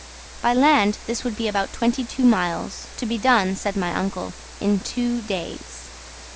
By land this would be about twenty two miles, to be done, said my uncle, in two days.